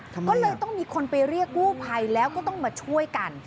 ก็เลยต้องมีคนไปเรียกกู้ภัยแล้วก็ต้องมาช่วยกัน